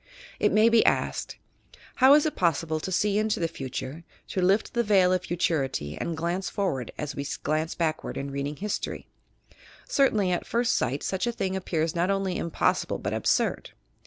It may be asked: "How is it pos sible to see into the future, to lift the veil of futurity and glance forward as we glance backward in reading historyl" Certainly, at first sight such a thing ap pears not only impossible but absurd.